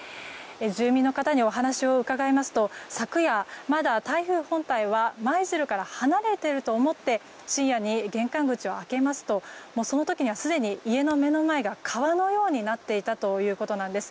住民の方にお話を伺いますと昨夜、まだ台風本体は舞鶴から離れていると思って深夜に玄関口を開けますとその時にはすでに家の目の前が川のようになっていたということです。